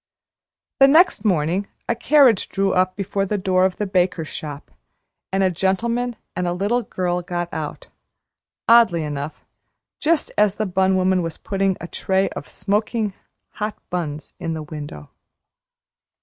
The next morning a carriage drew up before the door of the baker's shop, and a gentleman and a little girl got out, oddly enough, just as the bun woman was putting a tray of smoking hotbuns into the window.